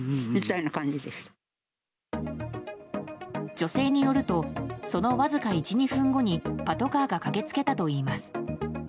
女性によるとそのわずか１２分後にパトカーが駆け付けたといいます。